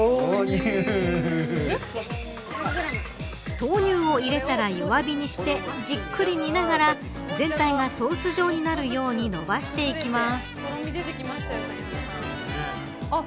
豆乳を入れたら弱火にしてじっくり煮ながら全体がソース状になるように伸ばしていきます。